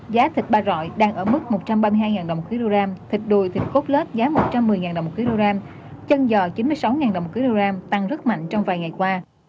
giá thịt ba rọi đang ở mức một trăm ba mươi hai đồng một kg thịt đùi thịt cốt lết giá một trăm một mươi đồng một kg chân giò chín mươi sáu đồng một kg tăng rất mạnh trong vài ngày qua